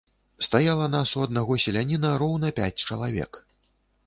Стаяла нас у аднаго селяніна роўна пяць чалавек.